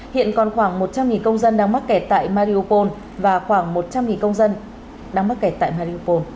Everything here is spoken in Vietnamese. hiện còn khoảng một trăm linh công dân đang mắc kẹt tại mariupol